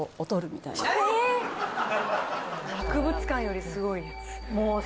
博物館よりすごいやつ